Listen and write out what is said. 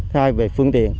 hai về phương tiện